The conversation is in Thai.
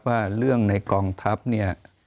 ว่าเรื่องในกองทัพเนี่ย